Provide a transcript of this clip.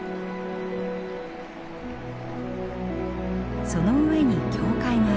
その上に教会があります。